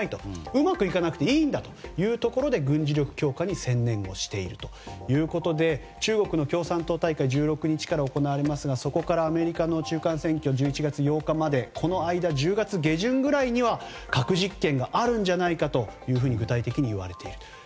うまくいかなくていいんだということで軍事力強化に専念しているということで中国の共産党大会１６日から行われますがそこからアメリカの中間選挙１１月８日までこの間、１０月下旬くらいには核実験があるんじゃないかと具体的に言われている。